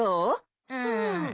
うん。